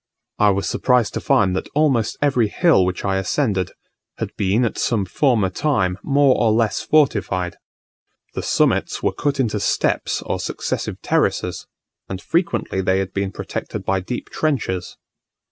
I was surprised to find that almost every hill which I ascended, had been at some former time more or less fortified. The summits were cut into steps or successive terraces, and frequently they had been protected by deep trenches.